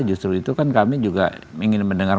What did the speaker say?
justru itu kan kami juga ingin mendengar